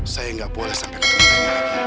saya nggak boleh sampai ketemu lagi